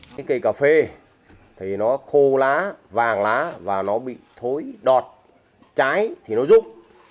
cây cà phê thì nó khô lá vàng lá và nó bị thối đọt trái thì nó rút